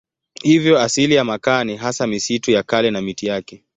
Hivyo asili ya makaa ni hasa misitu ya kale na miti yake.